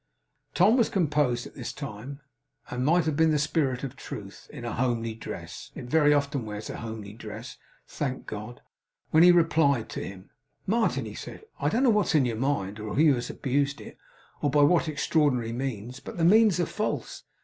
Tom was composed by this time, and might have been the Spirit of Truth, in a homely dress it very often wears a homely dress, thank God! when he replied to him. 'Martin,' he said, 'I don't know what is in your mind, or who has abused it, or by what extraordinary means. But the means are false.